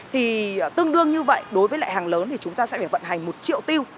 thì tương đương như vậy đối với lại hàng lớn thì chúng ta sẽ phải vận hành một triệu tiêu